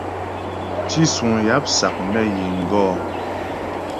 Tísuŋ yáp sák nə ghíŋ gɔ̌.